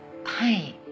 はい。